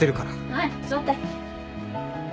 はい座って。